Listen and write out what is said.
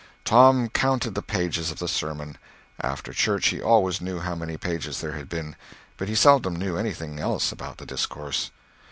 Tom counted the pages of the sermon; after church he always knew how many pages there had been, but he seldom knew anything else about the discourse.